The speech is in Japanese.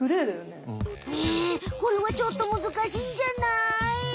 ねえこれはちょっとむずかしいんじゃない？